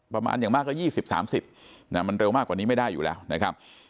ประมาณอย่างมากก็๒๐๓๐มันเร็วมากกว่านี้ไม่ได้อยู่แล้วนะครับ